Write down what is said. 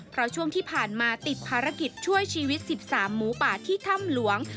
เพราะช่วงที่ผ่านมาติดภารกิจช่วยชีวิต๑๓หมูป่าที่ถ้ำหลวง